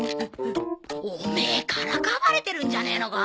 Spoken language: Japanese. オメエからかわれてるんじゃねえのか？